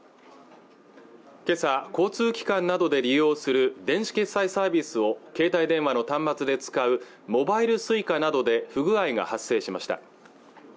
今朝交通機関などで利用する電子決済サービスを携帯電話の端末で使うモバイルＳｕｉｃａなどで不具合が発生しました